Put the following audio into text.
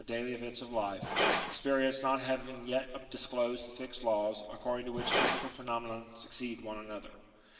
daily events of life, experience not having yet disclosed the fixed laws according to which physical phenomena succeed one another.